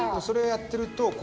それやってると。